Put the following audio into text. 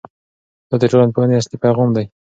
دا د ټولنپوهنې اصلي پیغام دی.